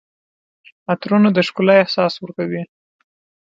عطرونه د ښکلا احساس ورکوي.